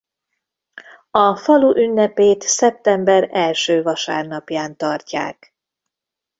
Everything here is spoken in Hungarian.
A falu ünnepét szeptember első vasárnapján tartják.